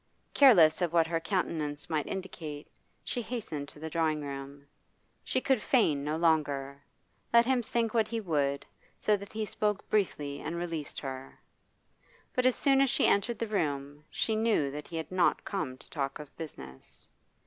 Careless of what her countenance might indicate, she hastened to the drawing room. She could feign no longer. Let him think what he would, so that he spoke briefly and released her. But as soon as she entered the room she knew that he had not come to talk of business.